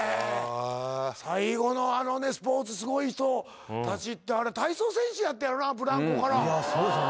最後のあのスポーツすごい人たちって体操選手やったんやろうなブランコからそうですよね